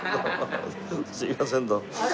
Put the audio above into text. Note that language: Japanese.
すいませんどうも。